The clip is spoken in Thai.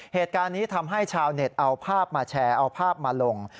เหตุการณ์นี้ทำให้ชาวเน็ตเอาภาพมาแชร์เอาภาพมาลง